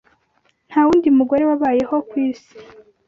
nta wundi mugore wabayeho ku isi